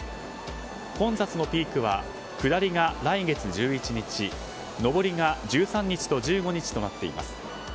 混雑のピークは下りが来月１１日上りが１３日と１５日となっています。